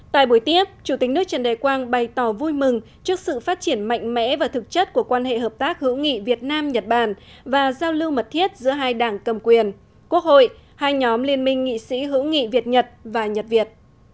tại buổi tiếp chủ tịch nước trần đại quang bày tỏ vui mừng trước sự phát triển mạnh mẽ và thực chất của quan hệ hợp tác hữu nghị việt nam nhật bản và giao lưu mật thiết giữa hai đảng cầm quyền quốc hội hai nhóm liên minh nghị sĩ hữu nghị việt nhật và nhật việt